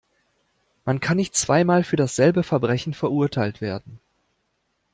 Man kann nicht zweimal für dasselbe Verbrechen verurteilt werden.